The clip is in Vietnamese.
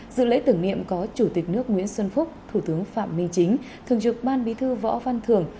dự lễ tưởng niệm có chủ tịch nước nguyễn xuân phúc thủ tướng phạm minh chính thường trực ban bí thư võ văn thường